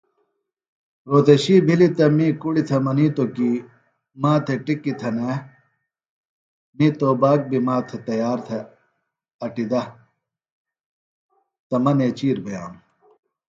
رھوتشی بِھلیۡ تہ می کُڑیۡ تھےۡ منِیتوۡ کیۡ ما تھےۡ ٹِکی تھنے، می توباک بیۡ ما تھےۡ تیار تھہ اٹیۡ دہ تہ مہ نیچِیر بِئانوۡ